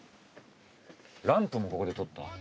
「ランプ」もここでとった？